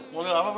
model apa pak